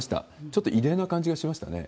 ちょっと異例な感じがしましたね。